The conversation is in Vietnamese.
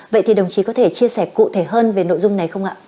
vậy thì đồng chí có thể chia sẻ cụ thể hơn về nội dung này không ạ